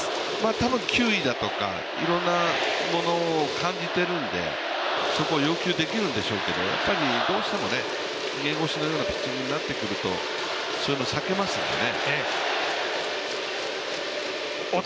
多分球威だとか、いろんなものを感じているんでそこ要求できるんでしょうけどやっぱりどうしても逃げ腰のようなピッチングになってくるとそういうのを避けますよね。